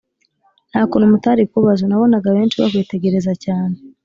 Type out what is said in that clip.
ntakuntu mutarikubazo nabonaga benshi bakwitegereza cyane